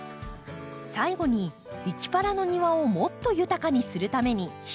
最後に「いきパラ」の庭をもっと豊かにするために一仕事。